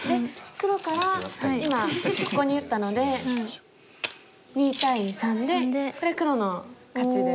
黒から今ここに打ったので２対３でこれ黒の勝ちです。